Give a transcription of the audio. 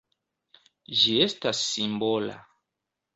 Ĝi estas simbola.